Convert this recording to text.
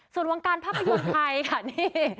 ส่วนวงการภาพยนตร์ไทยค่ะนี่